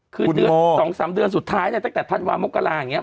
คือเดือน๒๓เดือนสุดท้ายเนี่ยตั้งแต่พันวาโมกราเนี่ย